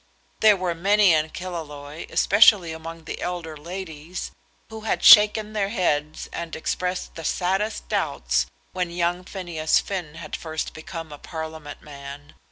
There were many in Killaloe, especially among the elder ladies, who had shaken their heads and expressed the saddest doubts when young Phineas Finn had first become a Parliament man.